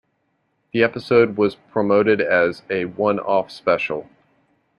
The episode was promoted as a one-off special.